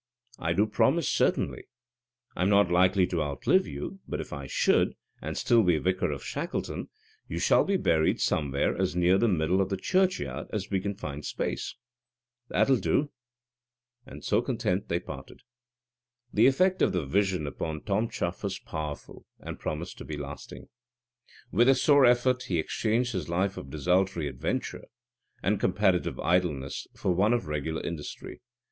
"I do promise, certainly. I'm not likely to outlive you; but, if I should, and still be vicar of Shackleton, you shall be buried somewhere as near the middle of the churchyard as we can find space." "That'll do." And so content they parted. The effect of the vision upon Tom Chuff was powerful, and promised to be lasting. With a sore effort he exchanged his life of desultory adventure and comparative idleness for one of regular industry.